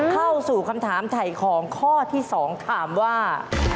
เข้าสู่คำถามถ่ายของข้อที่๒ถามว่า